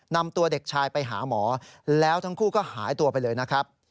นำตัวเด็กชายไปหาหมอแล้วทั้งคู่ก็หายตัวไปเลยนะครับ